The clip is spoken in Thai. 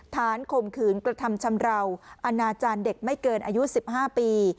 ข่มขืนกระทำชำราวอนาจารย์เด็กไม่เกินอายุ๑๕ปี